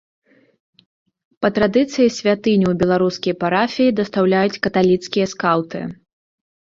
Па традыцыі святыню ў беларускія парафіі дастаўляюць каталіцкія скаўты.